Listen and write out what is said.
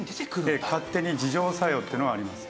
ええ勝手に自浄作用っていうのがあります。